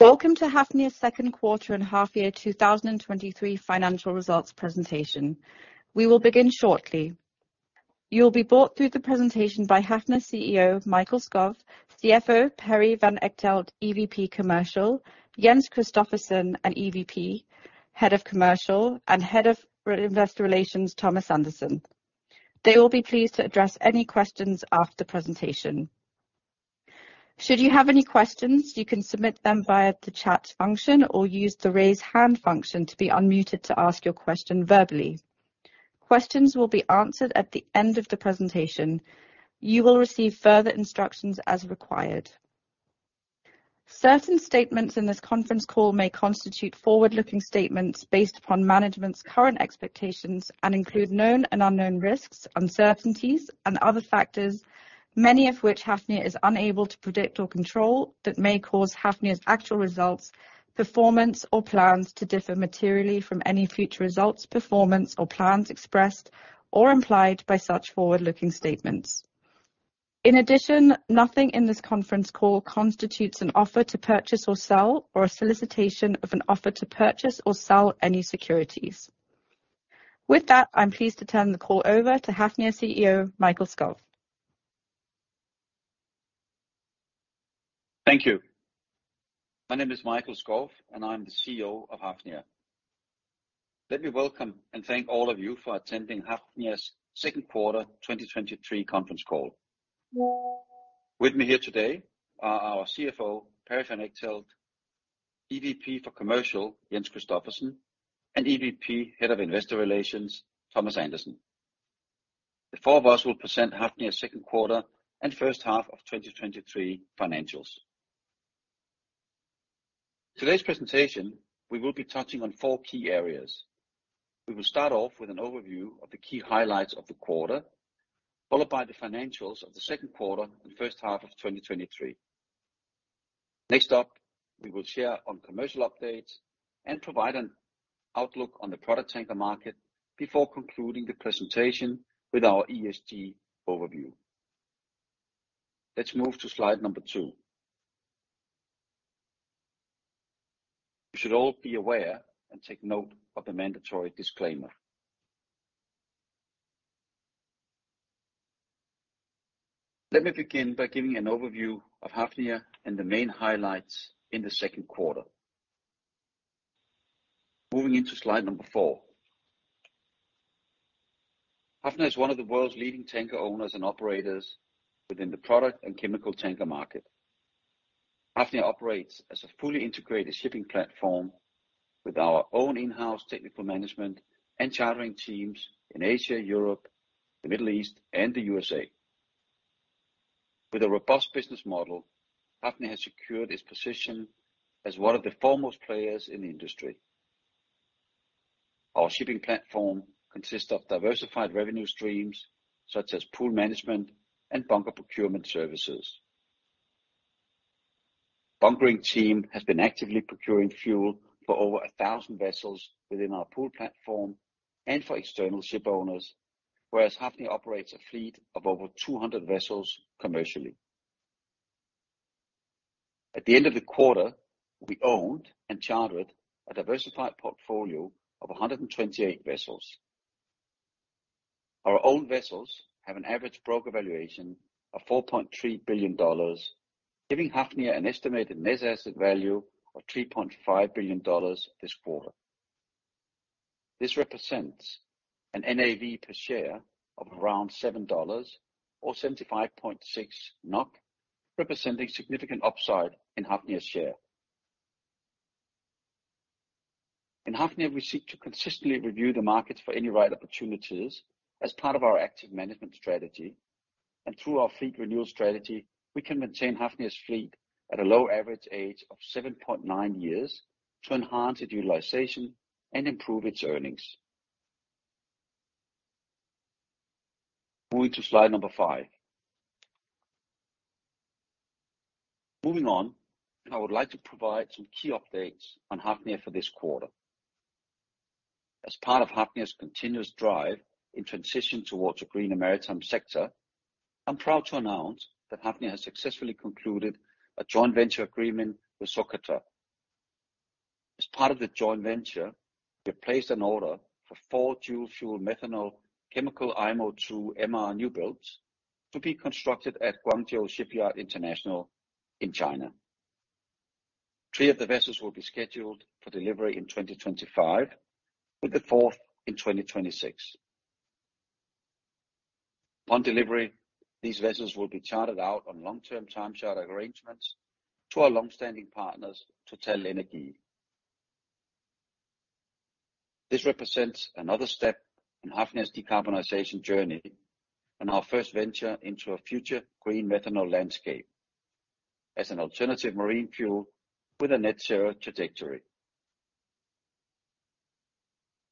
Welcome to Hafnia's second quarter and half year 2023 financial results presentation. We will begin shortly. You'll be brought through the presentation by Hafnia CEO, Mikael Skov, CFO, Perry van Echtelt, EVP Commercial, Jens Christophersen, and EVP, Head of Commercial and Head of Investor Relations, Thomas Andersen. They will be pleased to address any questions after the presentation. Should you have any questions, you can submit them via the chat function or use the raise hand function to be unmuted to ask your question verbally. Questions will be answered at the end of the presentation. You will receive further instructions as required. Certain statements in this conference call may constitute forward-looking statements based upon management's current expectations and include known and unknown risks, uncertainties, and other factors, many of which Hafnia is unable to predict or control, that may cause Hafnia's actual results, performance, or plans to differ materially from any future results, performance, or plans expressed or implied by such forward-looking statements. In addition, nothing in this conference call constitutes an offer to purchase or sell, or a solicitation of an offer to purchase or sell any securities. With that, I'm pleased to turn the call over to Hafnia CEO, Mikael Skov. Thank you. My name is Mikael Skov, and I'm the CEO of Hafnia. Let me welcome and thank all of you for attending Hafnia's second quarter 2023 conference call. With me here today are our CFO, Perry van Echtelt, EVP for Commercial, Jens Christophersen, and EVP, Head of Investor Relations, Thomas Andersen. The four of us will present Hafnia's second quarter and first half of 2023 financials. Today's presentation, we will be touching on four key areas. We will start off with an overview of the key highlights of the quarter, followed by the financials of the second quarter and first half of 2023. Next up, we will share on commercial updates and provide an outlook on the product tanker market before concluding the presentation with our ESG overview. Let's move to slide number two. You should all be aware and take note of the mandatory disclaimer. Let me begin by giving an overview of Hafnia and the main highlights in the second quarter. Moving into slide number four. Hafnia is one of the world's leading tanker owners and operators within the product and chemical tanker market. Hafnia operates as a fully integrated shipping platform with our own in-house technical management and chartering teams in Asia, Europe, the Middle East, and the USA. With a robust business model, Hafnia has secured its position as one of the foremost players in the industry. Our shipping platform consists of diversified revenue streams, such as pool management and bunker procurement services. Our bunkering team has been actively procuring fuel for over 1,000 vessels within our pool platform and for external shipowners, whereas Hafnia operates a fleet of over 200 vessels commercially. At the end of the quarter, we owned and chartered a diversified portfolio of 128 vessels. Our own vessels have an average broker valuation of $4.3 billion, giving Hafnia an estimated net asset value of $3.5 billion this quarter. This represents an NAV per share of around $7, or 75.6 NOK, representing significant upside in Hafnia's share. In Hafnia, we seek to consistently review the markets for any right opportunities as part of our active management strategy, and through our fleet renewal strategy, we can maintain Hafnia's fleet at a low average age of 7.9 years to enhance its utilization and improve its earnings. Moving to slide five. Moving on, I would like to provide some key updates on Hafnia for this quarter. As part of Hafnia's continuous drive in transition towards a greener maritime sector, I'm proud to announce that Hafnia has successfully concluded a joint venture agreement with SOCAR. As part of the joint venture, we placed an order for four dual-fuel methanol chemical IMO2 MR new builds to be constructed at Guangzhou Shipyard International in China. Three of the vessels will be scheduled for delivery in 2025, with the fourth in 2026. On delivery, these vessels will be chartered out on long-term time charter arrangements to our long-standing partners, TotalEnergies. This represents another step in Hafnia's decarbonization journey and our first venture into a future green methanol landscape as an alternative marine fuel with a net zero trajectory.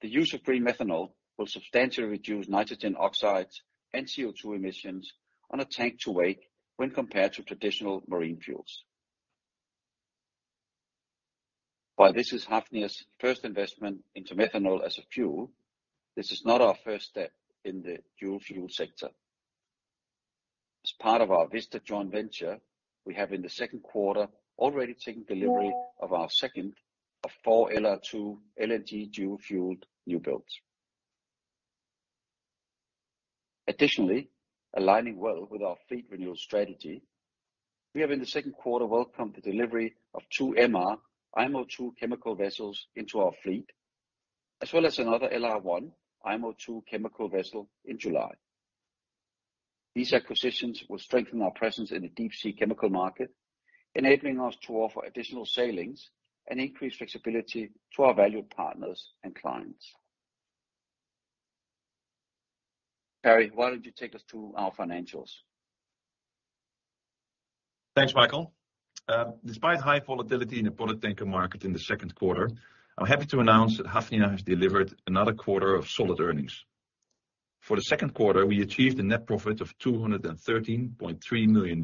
The use of green methanol will substantially reduce nitrogen oxides and CO2 emissions on a tank to wake when compared to traditional marine fuels. While this is Hafnia's first investment into methanol as a fuel, this is not our first step in the dual fuel sector. As part of our Vista joint venture, we have, in the second quarter, already taken delivery of our second of four LR2 LNG dual fueled new builds. Additionally, aligning well with our fleet renewal strategy, we have, in the second quarter, welcomed the delivery of two MR IMO2 chemical vessels into our fleet, as well as another LR1 IMO2 chemical vessel in July. These acquisitions will strengthen our presence in the deep sea chemical market, enabling us to offer additional sailings and increase flexibility to our valued partners and clients. Perry, why don't you take us through our financials? Thanks, Mikael. Despite high volatility in the product tanker market in the second quarter, I'm happy to announce that Hafnia has delivered another quarter of solid earnings. For the second quarter, we achieved a net profit of $213.3 million,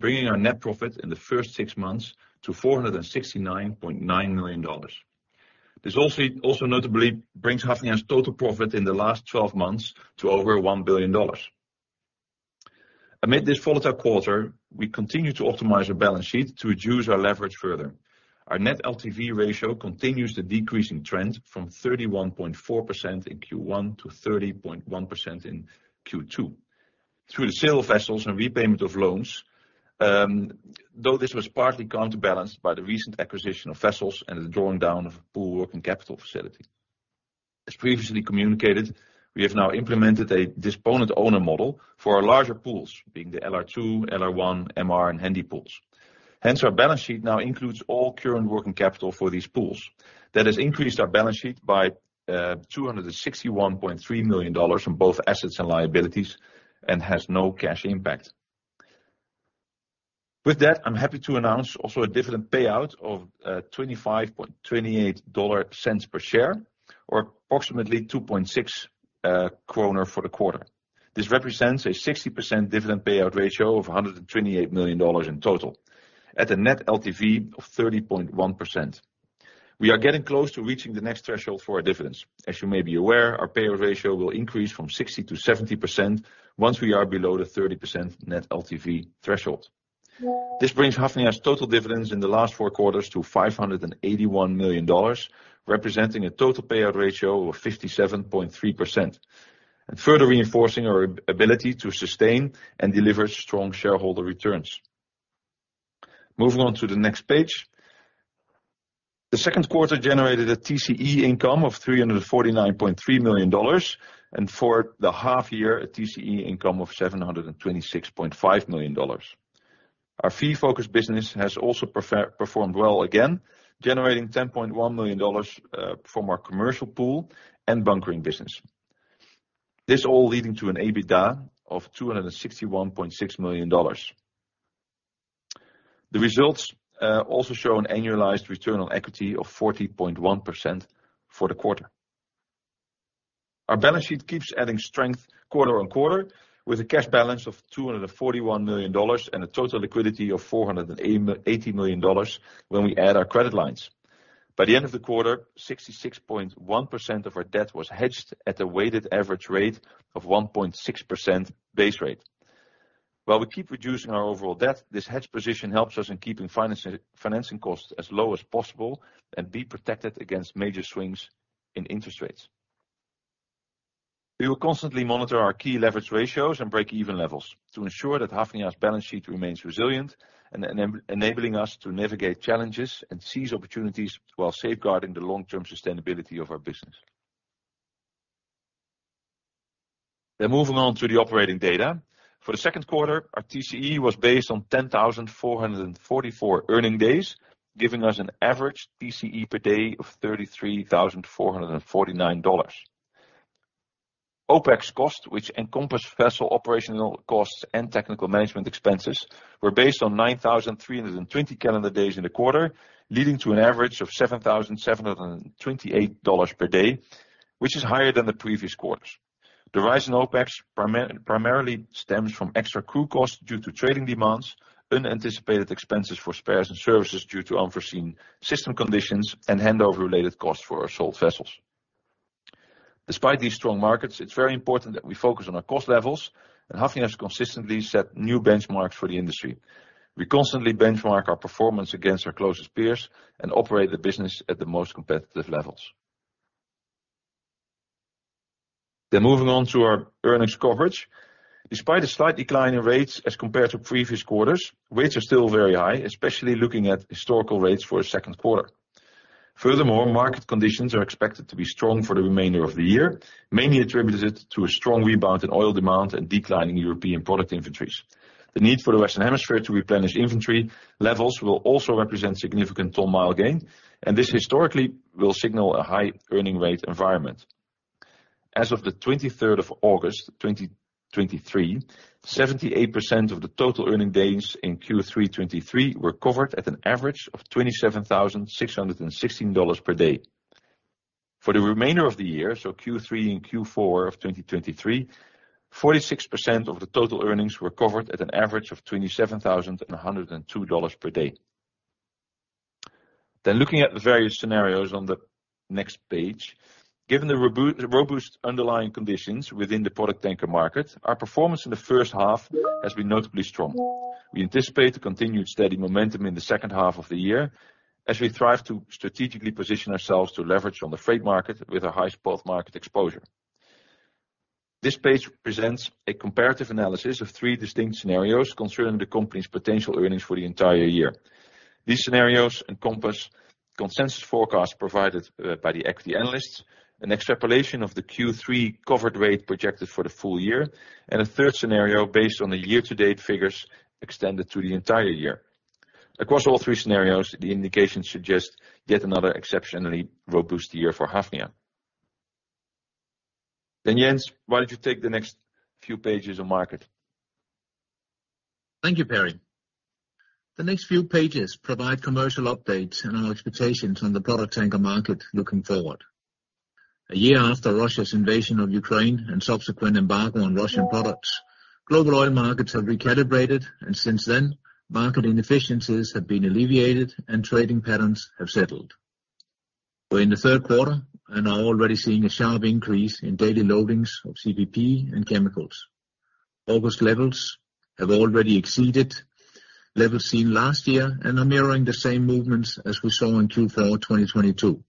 bringing our net profit in the first six months to $469.9 million. This also, also notably brings Hafnia's total profit in the last 12 months to over $1 billion. Amid this volatile quarter, we continue to optimize our balance sheet to reduce our leverage further. Our net LTV ratio continues to decrease in trend from 31.4% in Q1 to 30.1% in Q2. Through the sale of vessels and repayment of loans, though this was partly counterbalanced by the recent acquisition of vessels and the drawing down of pool working capital facility. As previously communicated, we have now implemented a Disponent Owner Model for our larger pools, being the LR2, LR1, MR, and Handy pools. Hence, our balance sheet now includes all current working capital for these pools. That has increased our balance sheet by $261.3 million from both assets and liabilities and has no cash impact. With that, I'm happy to announce also a dividend payout of $0.2528 per share, or approximately 2.6 kroner for the quarter. This represents a 60% dividend payout ratio of $128 million in total, at a net LTV of 30.1%. We are getting close to reaching the next threshold for our dividends. As you may be aware, our payout ratio will increase from 60%-70% once we are below the 30% net LTV threshold. This brings Hafnia's total dividends in the last four quarters to $581 million, representing a total payout ratio of 57.3%, and further reinforcing our ability to sustain and deliver strong shareholder returns. Moving on to the next page. The second quarter generated a TCE income of $349.3 million, and for the half year, a TCE income of $726.5 million. Our fee-focused business has also performed well, again, generating $10.1 million from our commercial pool and bunkering business. This all leading to an EBITDA of $261.6 million. The results also show an annualized return on equity of 40.1% for the quarter. Our balance sheet keeps adding strength quarter-over-quarter, with a cash balance of $241 million and a total liquidity of $480 million when we add our credit lines. By the end of the quarter, 66.1% of our debt was hedged at a weighted average rate of 1.6% base rate. While we keep reducing our overall debt, this hedge position helps us in keeping finances, financing costs as low as possible and be protected against major swings in interest rates. We will constantly monitor our key leverage ratios and break-even levels to ensure that Hafnia's balance sheet remains resilient and enabling us to navigate challenges and seize opportunities while safeguarding the long-term sustainability of our business. Then moving on to the operating data. For the second quarter, our TCE was based on 10,444 earning days, giving us an average TCE per day of $33,449. OpEx costs, which encompass vessel operational costs and technical management expenses, were based on 9,320 calendar days in the quarter, leading to an average of $7,728 per day, which is higher than the previous quarters. The rise in OpEx primarily stems from extra crew costs due to trading demands, unanticipated expenses for spares and services due to unforeseen system conditions, and handover-related costs for our sold vessels. Despite these strong markets, it's very important that we focus on our cost levels, and Hafnia has consistently set new benchmarks for the industry. We constantly benchmark our performance against our closest peers and operate the business at the most competitive levels. Then moving on to our earnings coverage. Despite a slight decline in rates as compared to previous quarters, rates are still very high, especially looking at historical rates for a second quarter. Furthermore, market conditions are expected to be strong for the remainder of the year, mainly attributed to a strong rebound in oil demand and declining European product inventories. The need for the Western Hemisphere to replenish inventory levels will also represent significant ton mile gain, and this historically will signal a high earning rate environment. As of the 23rd of August, 2023, 78% of the total earning days in Q3 2023 were covered at an average of $27,616 per day. For the remainder of the year, so Q3 and Q4 of 2023, 46% of the total earnings were covered at an average of $27,102 per day. Then looking at the various scenarios on the next page, given the robust underlying conditions within the product tanker market, our performance in the first half has been notably strong. We anticipate a continued steady momentum in the second half of the year, as we thrive to strategically position ourselves to leverage on the freight market with our high spot market exposure. This page presents a comparative analysis of three distinct scenarios concerning the company's potential earnings for the entire year. These scenarios encompass consensus forecasts provided by the equity analysts, an extrapolation of the Q3 covered rate projected for the full year, and a third scenario based on the year-to-date figures extended through the entire year. Across all three scenarios, the indications suggest yet another exceptionally robust year for Hafnia. Then, Jens, why don't you take the next few pages on market? Thank you, Perry. The next few pages provide commercial updates and our expectations on the product tanker market looking forward. A year after Russia's invasion of Ukraine and subsequent embargo on Russian products, global oil markets have recalibrated, and since then, market inefficiencies have been alleviated and trading patterns have settled. We're in the third quarter and are already seeing a sharp increase in daily loadings of CPP and chemicals. August levels have already exceeded levels seen last year and are mirroring the same movements as we saw in Q4 2022.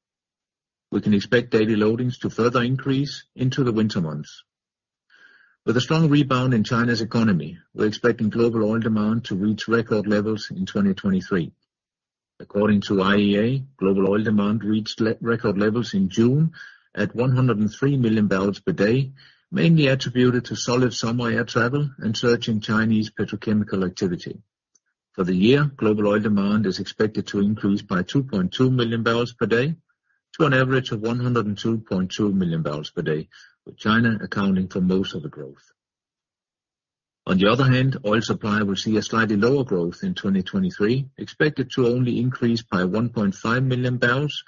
We can expect daily loadings to further increase into the winter months. With a strong rebound in China's economy, we're expecting global oil demand to reach record levels in 2023. According to IEA, global oil demand reached record levels in June at 103 million barrels per day, mainly attributed to solid summer air travel and surge in Chinese petrochemical activity. For the year, global oil demand is expected to increase by 2.2 million barrels per day to an average of 102.2 million barrels per day, with China accounting for most of the growth. On the other hand, oil supply will see a slightly lower growth in 2023, expected to only increase by 1.5 million barrels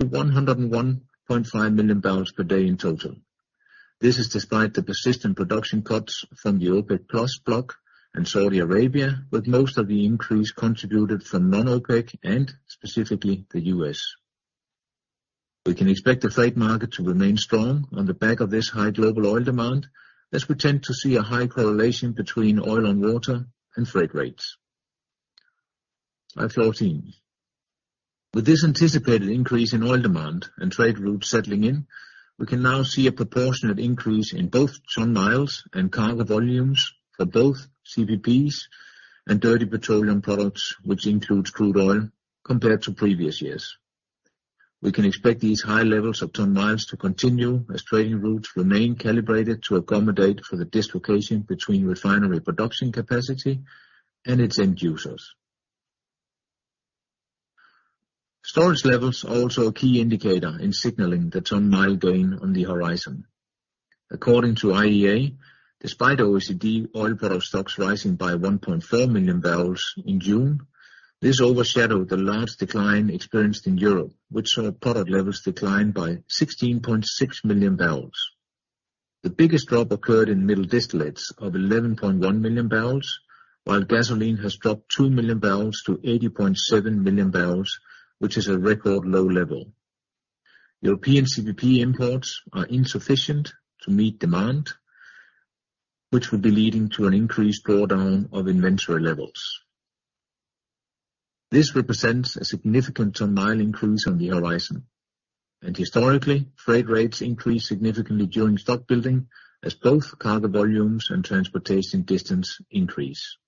to 101.5 million barrels per day in total. This is despite the persistent production cuts from the OPEX+ block and Saudi Arabia, with most of the increase contributed from non-OPEC and specifically the U.S. We can expect the freight market to remain strong on the back of this high global oil demand, as we tend to see a high correlation between oil and water and freight rates. Slide 14. With this anticipated increase in oil demand and trade routes settling in, we can now see a proportionate increase in both ton miles and cargo volumes for both CPPs and dirty petroleum products, which includes crude oil, compared to previous years. We can expect these high levels of ton miles to continue as trading routes remain calibrated to accommodate for the dislocation between refinery production capacity and its end users. Storage levels are also a key indicator in signaling the ton mile gain on the horizon. According to IEA, despite OECD oil product stocks rising by 1.4 million barrels in June, this overshadowed the large decline experienced in Europe, which saw product levels decline by 16.6 million barrels. The biggest drop occurred in middle distillates of 11.1 million barrels, while gasoline has dropped 2 million barrels to 80.7 million barrels, which is a record low level. European CPP imports are insufficient to meet demand, which will be leading to an increased drawdown of inventory levels. This represents a significant ton-mile increase on the horizon, and historically, freight rates increased significantly during stock building as both cargo volumes and transportation distance increase.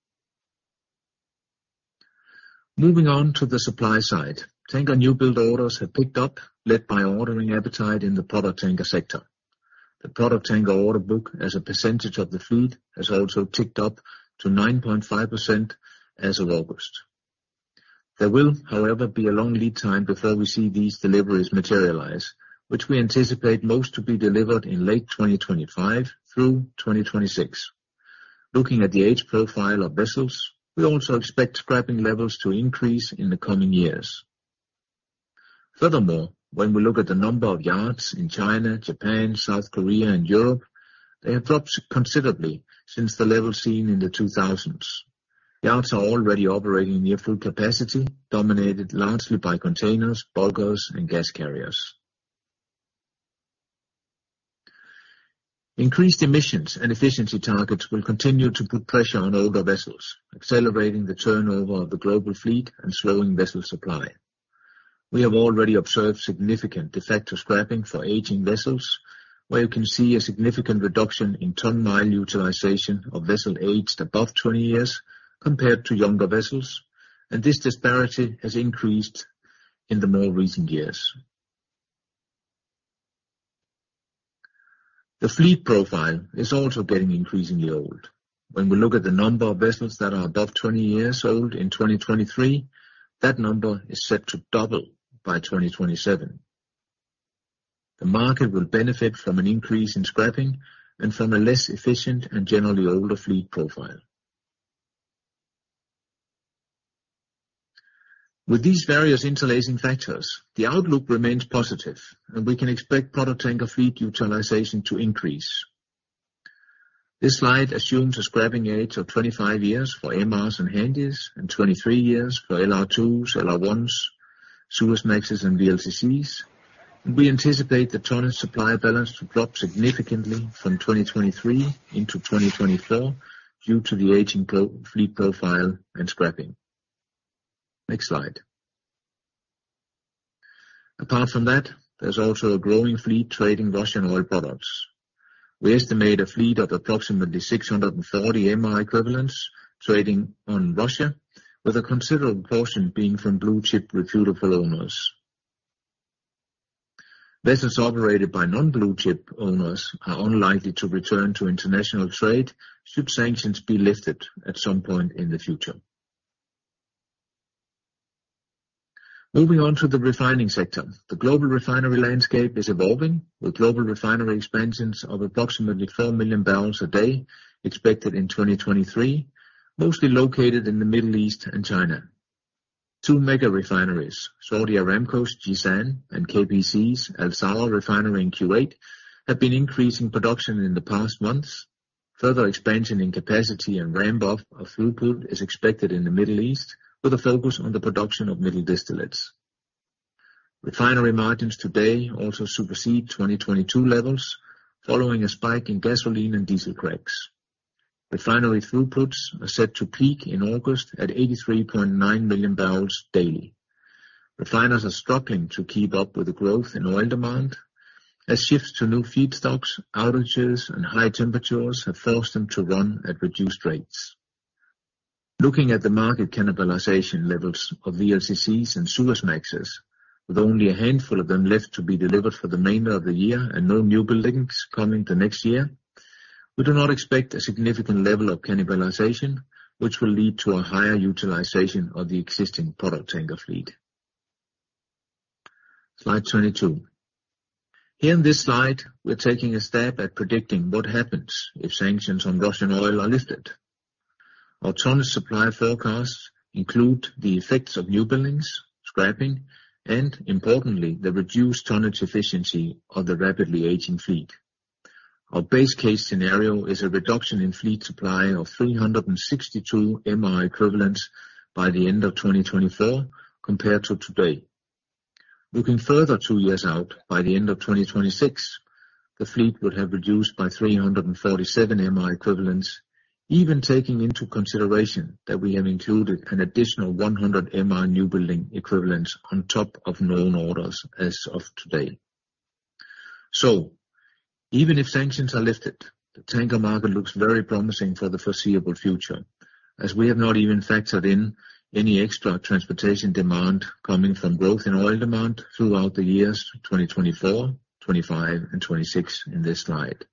Moving on to the supply side. Tanker newbuild orders have picked up, led by ordering appetite in the product tanker sector. The product tanker order book, as a percentage of the fleet, has also ticked up to 9.5% as of August. There will, however, be a long lead time before we see these deliveries materialize, which we anticipate most to be delivered in late 2025 through 2026. Looking at the age profile of vessels, we also expect scrapping levels to increase in the coming years. Furthermore, when we look at the number of yards in China, Japan, South Korea and Europe, they have dropped considerably since the level seen in the 2000s. Yards are already operating near full capacity, dominated largely by containers, bulkers, and gas carriers. Increased emissions and efficiency targets will continue to put pressure on older vessels, accelerating the turnover of the global fleet and slowing vessel supply. We have already observed significant de facto scrapping for aging vessels, where you can see a significant reduction in ton-mile utilization of vessels aged above 20 years compared to younger vessels, and this disparity has increased in the more recent years. The fleet profile is also getting increasingly old. When we look at the number of vessels that are above 20 years old in 2023, that number is set to double by 2027. The market will benefit from an increase in scrapping and from a less efficient and generally older fleet profile.... With these various interlacing factors, the outlook remains positive, and we can expect product tanker fleet utilization to increase. This slide assumes a scrapping age of 25 years for MRs and Handys, and 23 years for LR2s, LR1s, Suezmaxes, and VLCCs. We anticipate the tonnage supply balance to drop significantly from 2023 into 2024, due to the aging global fleet profile and scrapping. Next slide. Apart from that, there's also a growing fleet trading Russian oil products. We estimate a fleet of approximately 640 MR equivalents trading on Russia, with a considerable portion being from blue chip reputable owners. Vessels operated by non-blue chip owners are unlikely to return to international trade should sanctions be lifted at some point in the future. Moving on to the refining sector. The global refinery landscape is evolving, with global refinery expansions of approximately 4 million barrels a day expected in 2023, mostly located in the Middle East and China. Two mega refineries, Saudi Aramco's Jazan and KPC's Al Zour refinery in Kuwait, have been increasing production in the past months. Further expansion in capacity and ramp up of throughput is expected in the Middle East, with a focus on the production of middle distillates. Refinery margins today also supersede 2022 levels, following a spike in gasoline and diesel cracks. Refinery throughputs are set to peak in August at 83.9 million barrels daily. Refiners are struggling to keep up with the growth in oil demand, as shifts to new feedstocks, outages, and high temperatures have forced them to run at reduced rates. Looking at the market cannibalization levels of VLCCs and Suezmaxes, with only a handful of them left to be delivered for the remainder of the year and no new buildings coming the next year, we do not expect a significant level of cannibalization, which will lead to a higher utilization of the existing product tanker fleet. Slide 22. Here in this slide, we're taking a stab at predicting what happens if sanctions on Russian oil are lifted. Our tonnage supply forecasts include the effects of newbuildings, scrapping, and importantly, the reduced tonnage efficiency of the rapidly aging fleet. Our base case scenario is a reduction in fleet supply of 362 MR equivalents by the end of 2024 compared to today. Looking further two years out, by the end of 2026, the fleet would have reduced by 347 MR equivalents, even taking into consideration that we have included an additional 100 MR newbuilding equivalents on top of known orders as of today. So even if sanctions are lifted, the tanker market looks very promising for the foreseeable future, as we have not even factored in any extra transportation demand coming from growth in oil demand throughout the years 2024, 2025, and 2026 in this slide.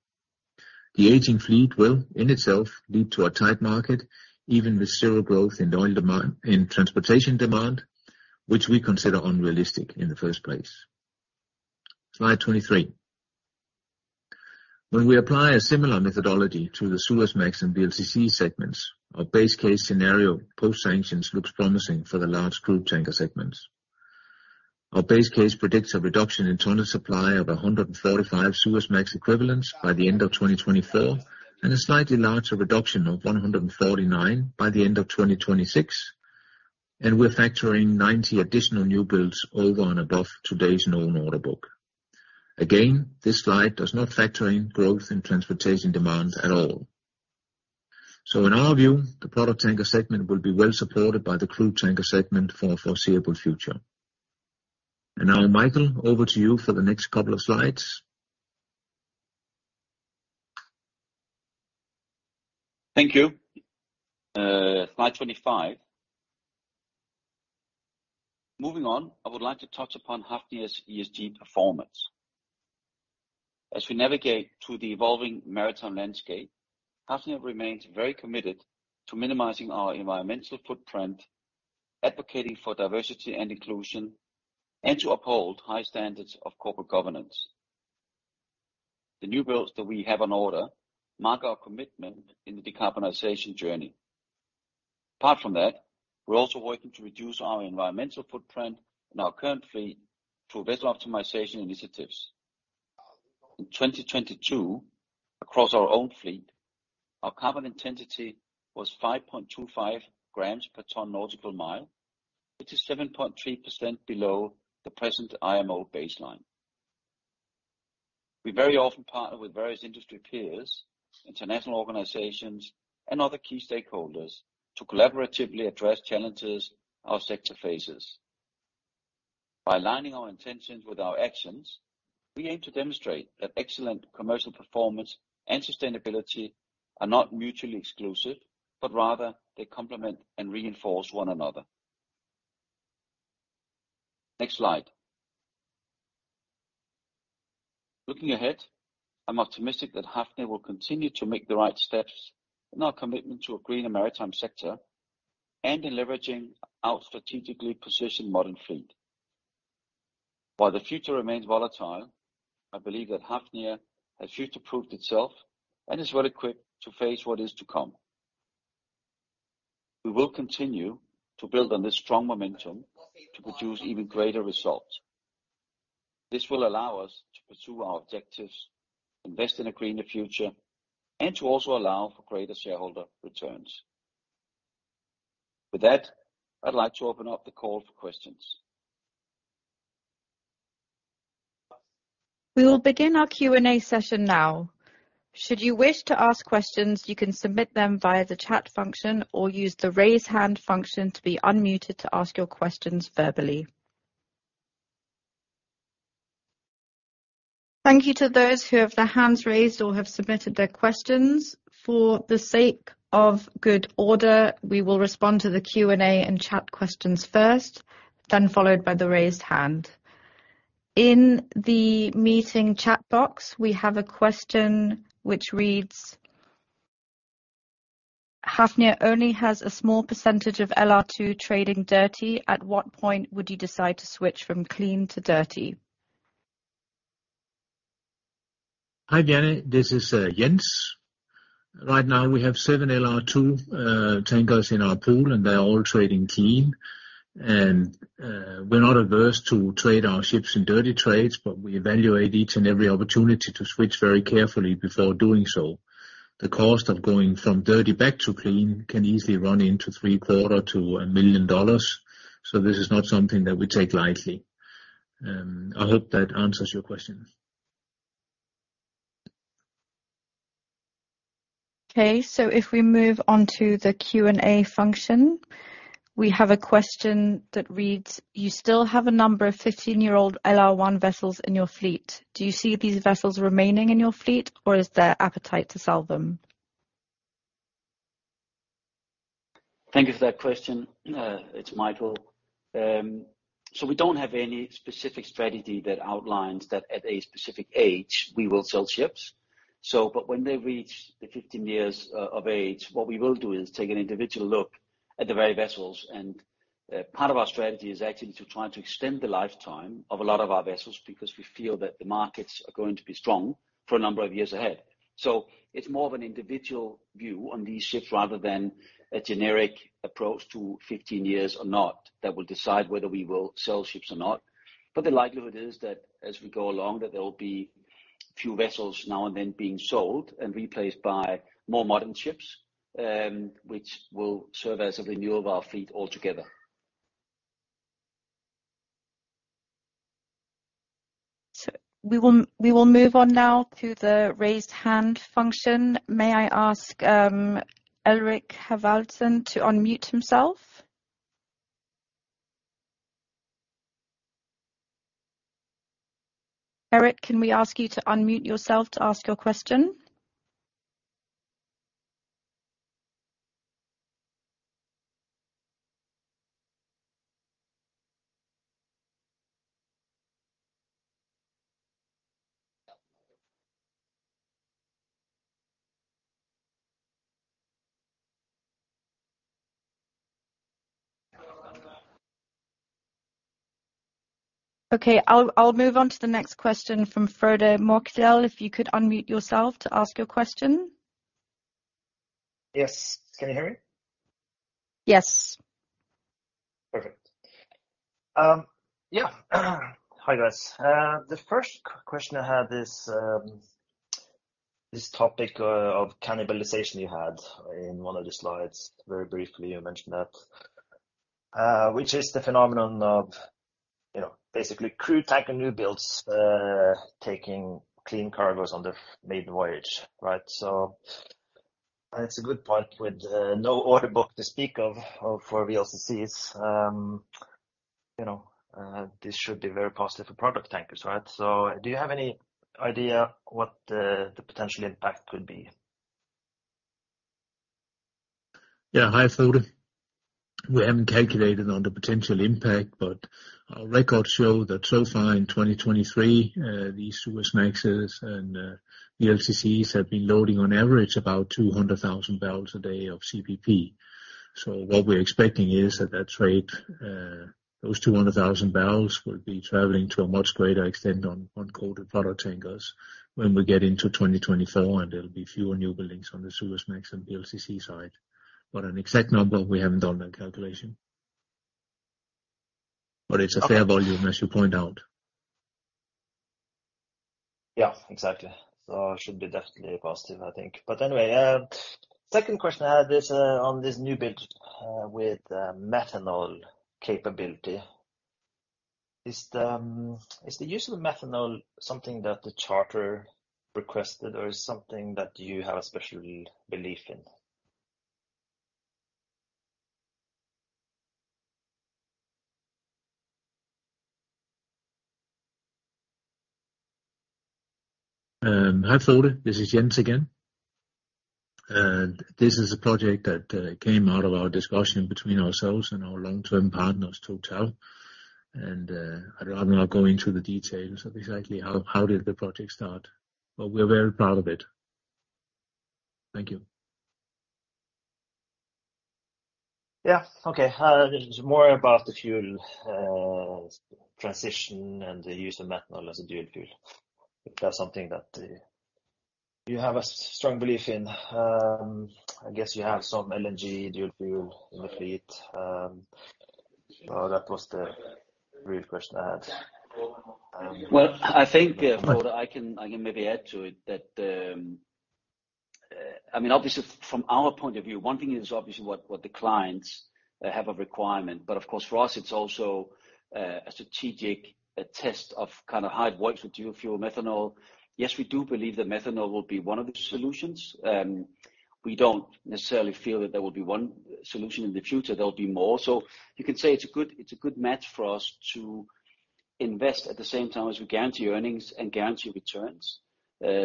The aging fleet will, in itself, lead to a tight market, even with zero growth in transportation demand, which we consider unrealistic in the first place. Slide 23. When we apply a similar methodology to the Suezmax and VLCC segments, our base case scenario, post-sanctions, looks promising for the large crude tanker segments. Our base case predicts a reduction in tonnage supply of 145 Suezmax equivalents by the end of 2024, and a slightly larger reduction of 149 by the end of 2026, and we're factoring 90 additional new builds over and above today's known order book. Again, this slide does not factor in growth in transportation demand at all. So in our view, the product tanker segment will be well supported by the crude tanker segment for the foreseeable future. And now, Mikael, over to you for the next couple of slides. Thank you. Slide 25. Moving on, I would like to touch upon Hafnia's ESG performance. As we navigate through the evolving maritime landscape, Hafnia remains very committed to minimizing our environmental footprint, advocating for diversity and inclusion, and to uphold high standards of corporate governance. The new builds that we have on order mark our commitment in the decarbonization journey. Apart from that, we're also working to reduce our environmental footprint in our current fleet through vessel optimization initiatives. In 2022, across our own fleet, our carbon intensity was 5.25 g per ton nautical mile, which is 7.3% below the present IMO baseline. We very often partner with various industry peers, international organizations, and other key stakeholders to collaboratively address challenges our sector faces. By aligning our intentions with our actions, we aim to demonstrate that excellent commercial performance and sustainability are not mutually exclusive, but rather they complement and reinforce one another. Next slide. Looking ahead, I'm optimistic that Hafnia will continue to make the right steps in our commitment to a greener maritime sector and in leveraging our strategically positioned modern fleet.... While the future remains volatile, I believe that Hafnia has future-proofed itself and is well-equipped to face what is to come. We will continue to build on this strong momentum to produce even greater results. This will allow us to pursue our objectives, invest in a greener future, and to also allow for greater shareholder returns. With that, I'd like to open up the call for questions. We will begin our Q&A session now. Should you wish to ask questions, you can submit them via the chat function or use the Raise Hand function to be unmuted to ask your questions verbally. Thank you to those who have their hands raised or have submitted their questions. For the sake of good order, we will respond to the Q&A and chat questions first, then followed by the raised hand. In the meeting chat box, we have a question which reads: Hafnia only has a small percentage of LR2 trading dirty. At what point would you decide to switch from clean to dirty? Hi, Janet, this is Jens. Right now, we have seven LR2 tankers in our pool, and they are all trading clean. We're not averse to trade our ships in dirty trades, but we evaluate each and every opportunity to switch very carefully before doing so. The cost of going from dirty back to clean can easily run into $750,000-$1,000,000, so this is not something that we take lightly. I hope that answers your question. Okay, so if we move on to the Q&A function, we have a question that reads: You still have a number of 15-year-old LR1 vessels in your fleet. Do you see these vessels remaining in your fleet, or is there appetite to sell them? Thank you for that question. It's Mikael. So we don't have any specific strategy that outlines that at a specific age, we will sell ships. So, but when they reach the 15 years of age, what we will do is take an individual look at the very vessels. And part of our strategy is actually to try to extend the lifetime of a lot of our vessels, because we feel that the markets are going to be strong for a number of years ahead. So it's more of an individual view on these ships, rather than a generic approach to 15 years or not, that will decide whether we will sell ships or not. The likelihood is that as we go along, that there will be a few vessels now and then being sold and replaced by more modern ships, which will serve as a renewal of our fleet altogether. So we will move on now to the Raise Hand function. May I ask, Eirik Haavaldsen to unmute himself? Eirik, can we ask you to unmute yourself to ask your question? Okay, I'll move on to the next question from Frode Mørkedal. If you could unmute yourself to ask your question. Yes. Can you hear me? Yes. Perfect. Yeah. Hi, guys. The first question I had is this topic of cannibalization you had in one of the slides. Very briefly, you mentioned that, which is the phenomenon of, you know, basically crude tanker new builds taking clean cargoes on the maiden voyage, right? So that's a good point with no order book to speak of for VLCCs. You know, this should be very positive for product tankers, right? So do you have any idea what the potential impact could be? Yeah. Hi, Frode. We haven't calculated on the potential impact, but our records show that so far in 2023, these Suezmaxes and, the VLCCs have been loading on average about 200,000 barrels a day of CPP. So what we're expecting is, at that rate, those 200,000 barrels will be traveling to a much greater extent on, on coated product tankers when we get into 2024, and there'll be fewer newbuildings on the Suezmax and VLCC side. But an exact number, we haven't done that calculation. But it's a fair volume, as you point out. Yeah, exactly. So it should be definitely positive, I think. But anyway, second question I had is, on this new build with methanol capability. Is the use of methanol something that the charter requested or is something that you have a special belief in? Hi, Frode. This is Jens again. This is a project that came out of our discussion between ourselves and our long-term partners, Total. I'd rather not go into the details of exactly how did the project start, but we're very proud of it. Thank you.... Yeah. Okay, just more about the fuel transition and the use of methanol as a dual fuel. If that's something that you have a strong belief in. I guess you have some LNG dual fuel in the fleet. That was the real question I had. Well, I think, Frode, I can, I can maybe add to it, that, I mean, obviously from our point of view, one thing is obviously what, what the clients have a requirement, but of course, for us, it's also a strategic, a test of kind of how it works with dual fuel methanol. Yes, we do believe that methanol will be one of the solutions. We don't necessarily feel that there will be one solution in the future, there'll be more. So you can say it's a good, it's a good match for us to invest at the same time as we guarantee earnings and guarantee returns.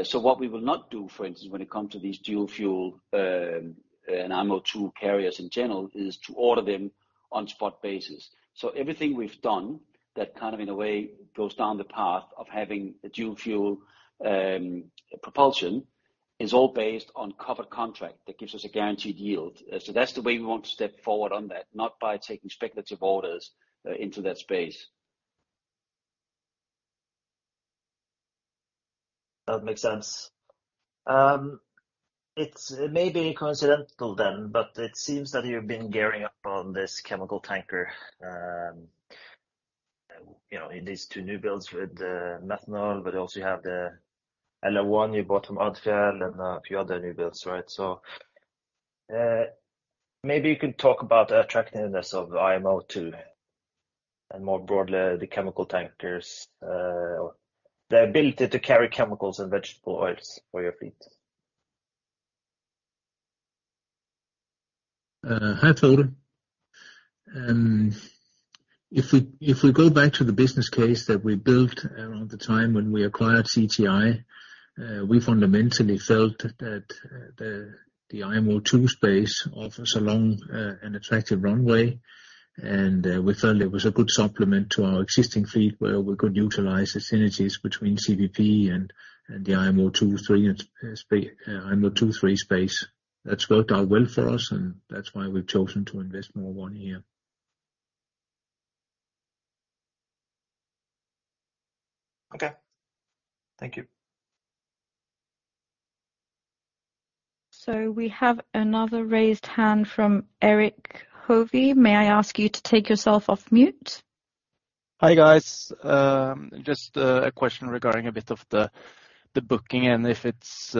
So what we will not do, for instance, when it comes to these dual fuel and IMO II carriers in general, is to order them on spot basis. So everything we've done that kind of in a way goes down the path of having a dual fuel propulsion is all based on covered contract that gives us a guaranteed yield. So that's the way we want to step forward on that, not by taking speculative orders into that space. That makes sense. It may be coincidental then, but it seems that you've been gearing up on this chemical tanker. You know, in these two new builds with the methanol, but also you have the LR1 you bought from Scorpio and a few other new builds, right? So, maybe you could talk about the attractiveness of the IMO II, and more broadly, the chemical tankers, the ability to carry chemicals and vegetable oils for your fleet. Hi, Frode. If we, if we go back to the business case that we built around the time when we acquired CTI, we fundamentally felt that the IMO II space offers a long and attractive runway, and we felt it was a good supplement to our existing fleet, where we could utilize the synergies between CPP and the IMO II, III space. That's worked out well for us, and that's why we've chosen to invest more one year. Okay. Thank you. We have another raised hand from Erik Hovi. May I ask you to take yourself off mute? Hi, guys. Just a question regarding a bit of the booking and if it's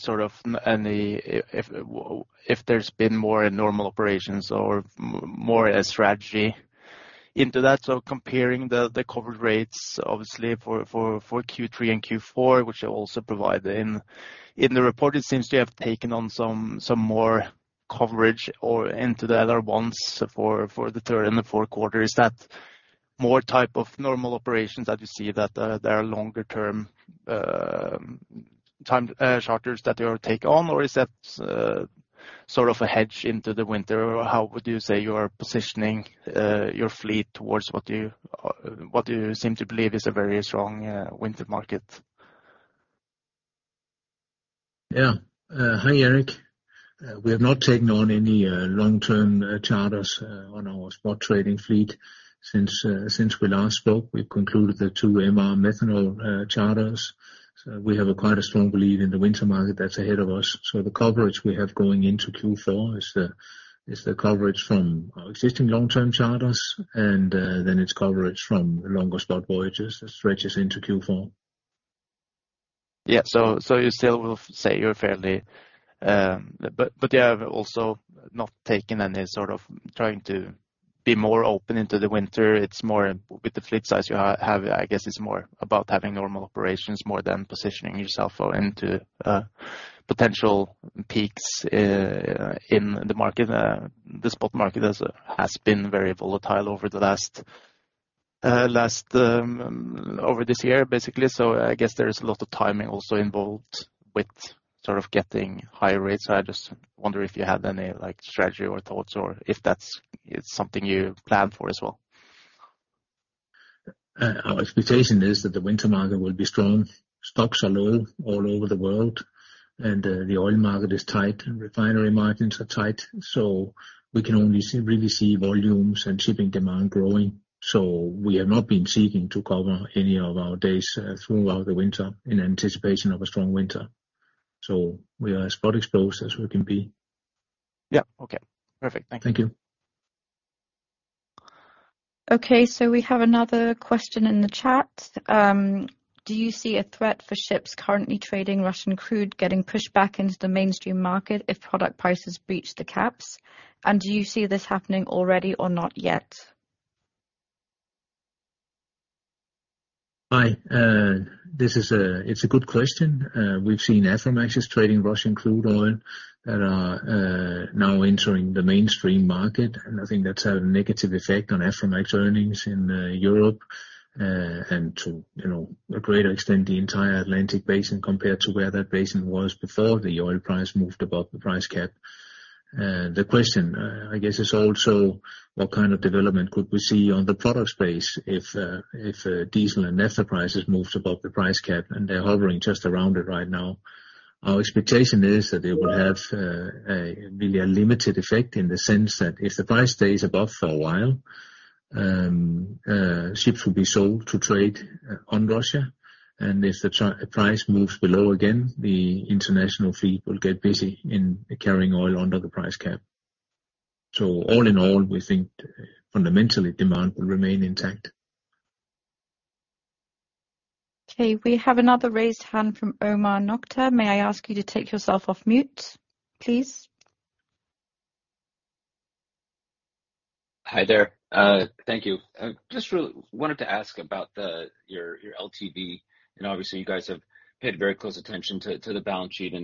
sort of any if there's been more in normal operations or more a strategy into that. So comparing the coverage rates, obviously for Q3 and Q4, which are also provided in the report, it seems to have taken on some more coverage or into the other ones for the third and the fourth quarter. Is that more type of normal operations that you see that there are longer term time charters that you take on? Or is that sort of a hedge into the winter? Or how would you say you are positioning your fleet towards what you seem to believe is a very strong winter market? Yeah. Hi, Erik. We have not taken on any long-term charters on our spot trading fleet since we last spoke. We've concluded the two MR methanol charters. So we have quite a strong belief in the winter market that's ahead of us. So the coverage we have going into Q4 is the coverage from our existing long-term charters, and then it's coverage from longer spot voyages that stretches into Q4. Yeah. So you still will say you're fairly. But you have also not taken any, sort of, trying to be more open into the winter. It's more with the fleet size you have, I guess, it's more about having normal operations more than positioning yourself into potential peaks in the market. The spot market has been very volatile over the last year, basically. So I guess there is a lot of timing also involved with sort of getting higher rates. I just wonder if you have any, like, strategy or thoughts or if that's something you plan for as well. Our expectation is that the winter market will be strong. Stocks are low all over the world, and the oil market is tight and refinery margins are tight, so we can only see, really see volumes and shipping demand growing. We have not been seeking to cover any of our days throughout the winter in anticipation of a strong winter. We are as spot exposed as we can be. Yeah. Okay, perfect. Thank you. Thank you. Okay, so we have another question in the chat. Do you see a threat for ships currently trading Russian crude getting pushed back into the mainstream market if product prices breach the caps? And do you see this happening already or not yet? Hi, this is a good question. We've seen Aframaxes trading Russian crude oil that are now entering the mainstream market, and I think that's had a negative effect on Aframax earnings in Europe, and to, you know, a greater extent, the entire Atlantic basin, compared to where that basin was before the oil price moved above the price cap. The question, I guess, is also what kind of development could we see on the product space if diesel and petrol prices moved above the price cap, and they're hovering just around it right now. Our expectation is that it will have really a limited effect, in the sense that if the price stays above for a while, ships will be sold to trade on Russia, and if the price moves below again, the international fleet will get busy in carrying oil under the price cap.... All in all, we think fundamentally, demand will remain intact. Okay, we have another raised hand from Omar Nokta. May I ask you to take yourself off mute, please? Hi there, thank you. I just really wanted to ask about your LTV, and obviously, you guys have paid very close attention to the balance sheet. You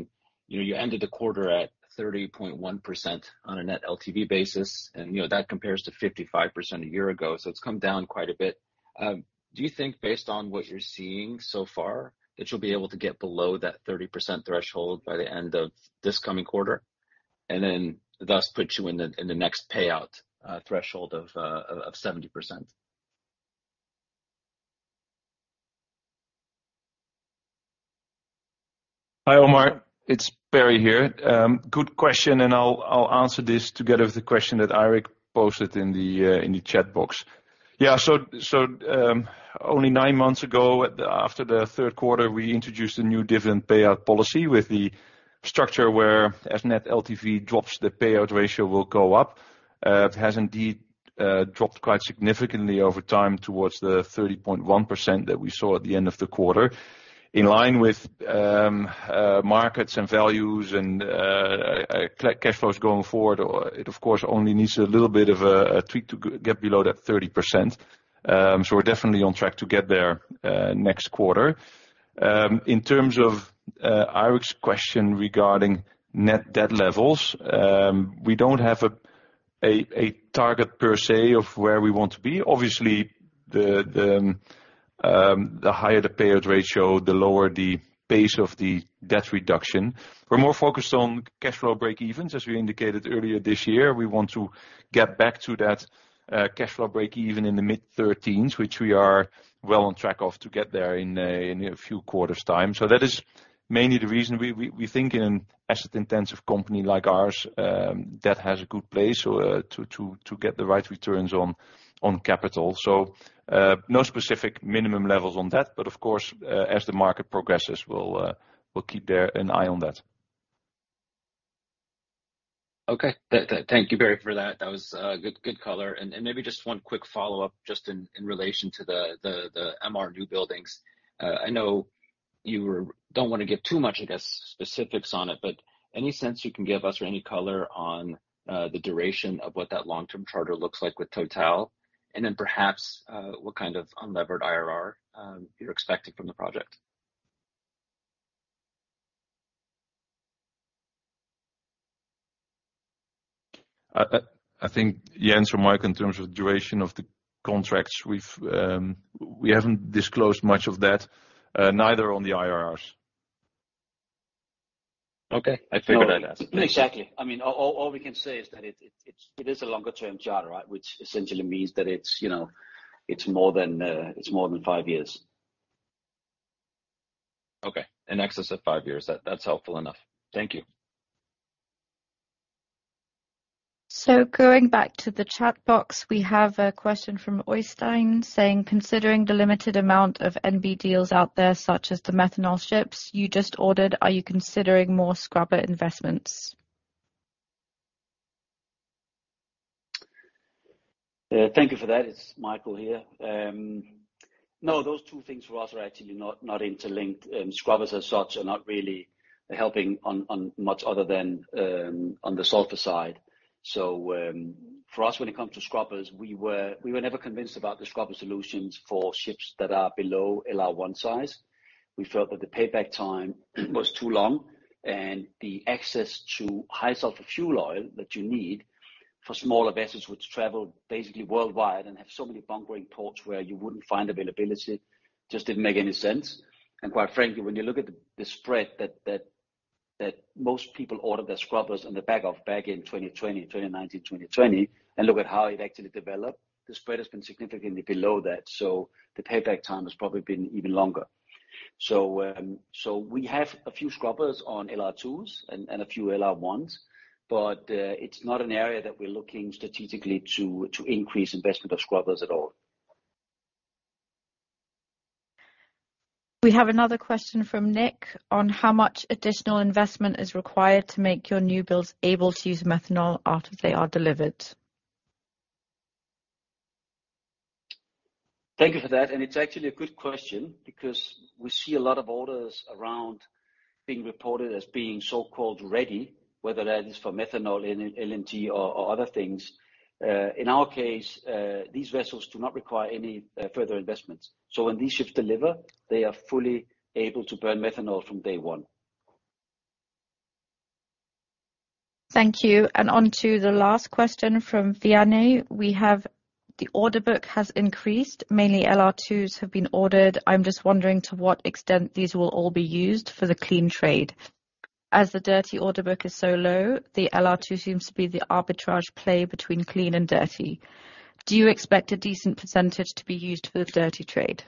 know, you ended the quarter at 30.1% on a net LTV basis, and you know, that compares to 55% a year ago, so it's come down quite a bit. Do you think based on what you're seeing so far, that you'll be able to get below that 30% threshold by the end of this coming quarter, and then thus put you in the next payout threshold of 70%? Hi, Omar. It's Perry here. Good question, and I'll answer this together with the question that Erik posted in the chat box. So, only nine months ago, after the third quarter, we introduced a new different payout policy with the structure where as Net LTV drops, the payout ratio will go up. It has indeed dropped quite significantly over time towards the 30.1% that we saw at the end of the quarter. In line with markets and values and cash flows going forward, it of course only needs a little bit of a tweak to get below that 30%. So we're definitely on track to get there next quarter. In terms of Eirik's question regarding net debt levels, we don't have a target per say of where we want to be. Obviously, the higher the payout ratio, the lower the pace of the debt reduction. We're more focused on cash flow breakevens, as we indicated earlier this year. We want to get back to that, cash flow breakeven in the mid-13s, which we are well on track of to get there in a few quarters' time. So that is mainly the reason we think in an asset-intensive company like ours, debt has a good place to get the right returns on capital. So, no specific minimum levels on that, but of course, as the market progresses, we'll keep an eye on that. Okay. Thank you, Perry, for that. That was good, good color. And maybe just one quick follow-up just in relation to the MR new buildings. I know don't wanna give too much, I guess, specifics on it, but any sense you can give us or any color on the duration of what that long-term charter looks like with Total? And then perhaps what kind of unlevered IRR you're expecting from the project? I think Jens or Mikael, in terms of duration of the contracts, we haven't disclosed much of that, neither on the IRRs. Okay. I figured I'd ask. Exactly. I mean, all we can say is that it is a longer term charter, right? Which essentially means that it's, you know, it's more than five years. Okay. In excess of five years. That, that's helpful enough. Thank you. Going back to the chat box, we have a question from Oystein, saying: Considering the limited amount of NB deals out there, such as the methanol ships you just ordered, are you considering more scrubber investments? Thank you for that. It's Mikael here. No, those two things for us are actually not interlinked. Scrubbers as such are not really helping on much other than on the sulfur side. So, for us, when it comes to scrubbers, we were never convinced about the scrubber solutions for ships that are below LR1 size. We felt that the payback time was too long, and the access to high sulfur fuel oil that you need for smaller vessels, which travel basically worldwide and have so many bunkering ports where you wouldn't find availability, just didn't make any sense. Quite frankly, when you look at the spread that most people ordered their scrubbers on the back of, back in 2020, 2019, 2020, and look at how it actually developed, the spread has been significantly below that. So the payback time has probably been even longer. So we have a few scrubbers on LR2s and a few LR1s, but it's not an area that we're looking strategically to increase investment of scrubbers at all. We have another question from Nick on how much additional investment is required to make your new builds able to use methanol after they are delivered. Thank you for that, and it's actually a good question, because we see a lot of orders around being reported as being so-called ready, whether that is for methanol, N- LNG or other things. In our case, these vessels do not require any further investments. So when these ships deliver, they are fully able to burn methanol from day one. Thank you. On to the last question from Vianai. We have: The order book has increased, mainly LR2s have been ordered. I'm just wondering to what extent these will all be used for the clean trade. As the dirty order book is so low, the LR2 seems to be the arbitrage play between clean and dirty. Do you expect a decent percentage to be used for the dirty trade?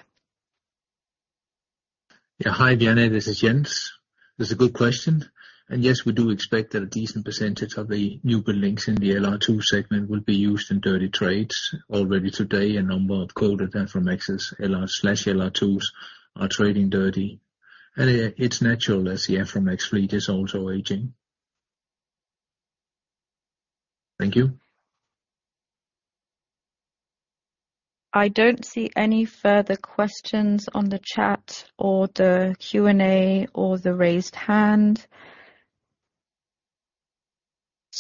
Yeah. Hi, Vianai, this is Jens. This is a good question, and yes, we do expect that a decent percentage of the new buildings in the LR2 segment will be used in dirty trades. Already today, a number of coated Aframaxes LR/LR2 are trading dirty. It's natural as the Aframax fleet is also aging. Thank you. I don't see any further questions on the chat or the Q&A or the raised hand.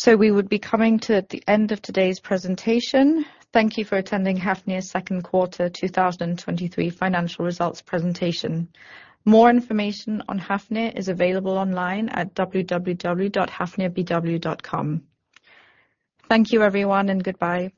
We would be coming to the end of today's presentation. Thank you for attending Hafnia's second quarter 2023 financial results presentation. More information on Hafnia is available online at www.hafniabw.com. Thank you everyone, and goodbye.